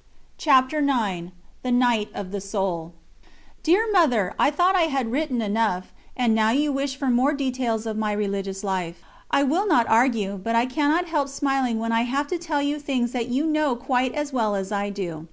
______________________________ CHAPTER IX THE NIGHT OF THE SOUL Dear Mother, I thought I had written enough, and now you wish for more details of my religious life. I will not argue, but I cannot help smiling when I have to tell you things that you know quite as well as I do.